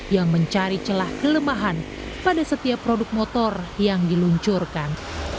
yang mencari celah kelemahan pada setiap produk motor yang diluncurkan